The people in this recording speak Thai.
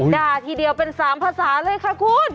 ด่าทีเดียวเป็น๓ภาษาเลยค่ะคุณ